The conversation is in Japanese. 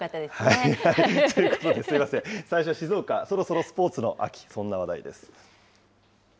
はい、ということですみません、最初、静岡、そろそろスポーツの秋、そんな話題です。